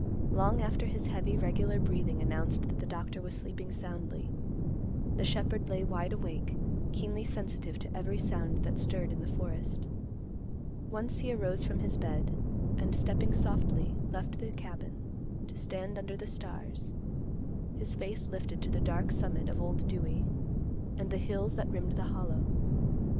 Long after his heavy, regular breathing announced that the doctor was sleeping soundly, the shepherd lay wide awake, keenly sensitive to every sound that stirred in the forest. Once he arose from his bed, and stepping softly left the cabin, to stand under the stars, his face lifted to the dark summit of Old Dewey and the hills that rimmed the Hollow.